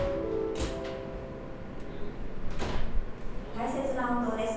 大切な運動です。